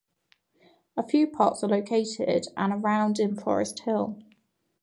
A few parks are located and around in Forest Hill.